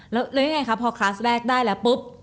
แล้วยังไงคะพอคลาสแรกได้แล้วปุ๊บ